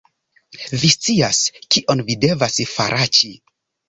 Vi scias, kion vi devas faraĉi